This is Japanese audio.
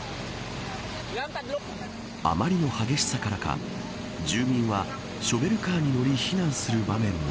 あまりの激しさからか住民はショベルカーに乗り避難する場面も。